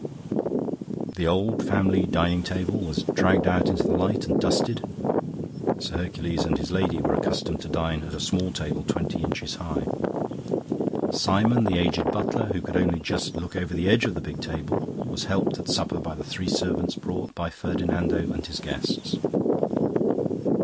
"The old family dining table was dragged out into the light and dusted (Sir Hercules and his lady were accustomed to dine at a small table twenty inches high). Simon, the aged butler, who could only just look over the edge of the big table, was helped at supper by the three servants brought by Ferdinando and his guests.